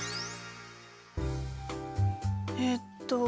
えっと